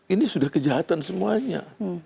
ini sudah kejahatan semuanya